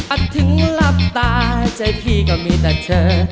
ถึงหลับตาใจพี่ก็มีแต่เธอ